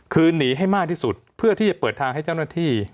คือหนีให้มากที่สุดเพื่อที่จะเปิดทางให้เจ้าหน้าที่